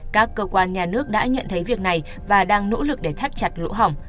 các cơ quan nhà nước đã nhận thấy việc này và đang nỗ lực để thắt chặt lỗ hỏng